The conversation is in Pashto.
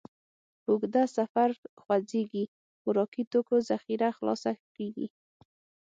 په اوږده سفر خوځېږئ، خوراکي توکو ذخیره خلاصه کېږي.